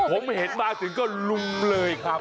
ผมเห็นมาถึงก็ลุมเลยครับ